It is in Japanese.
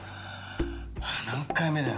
何回目だよ